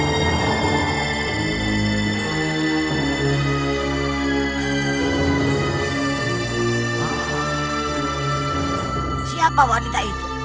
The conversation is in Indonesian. mastu megalang tunjukkan apa yang ingin kau tunjukkan padamu